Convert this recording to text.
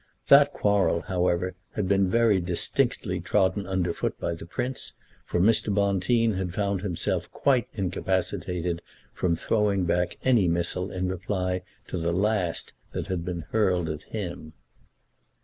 That quarrel, however, had been very distinctly trodden under foot by the Prince, for Mr. Bonteen had found himself quite incapacitated from throwing back any missile in reply to the last that had been hurled at him.